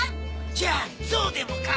じゃあゾウでもか？